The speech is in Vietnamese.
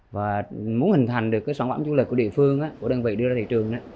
và muốn hình thành được sản phẩm chủ lực của địa phương của đơn vị đưa ra thị trường